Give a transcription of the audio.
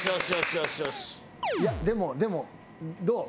いやでもでもどう？